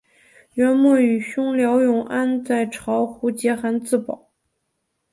元末与兄廖永安在巢湖结寨自保。